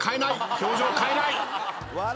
表情変えない？